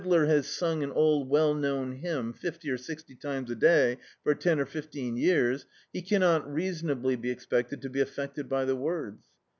db, Google The Autobiography of a Super Tramp sung an old well known hymn fifty or sixty times a day for ten or fifteen years, he cannot reasonably be expected to be affected by the words.